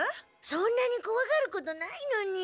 そんなにこわがることないのに。